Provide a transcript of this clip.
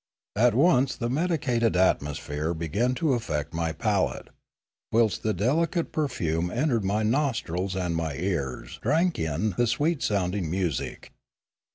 At once the medi cated atmosphere began to affect my palate, whilst the delicate perfume entered my nostrils and my ears 264 Limanora drank in the sweet sounding music.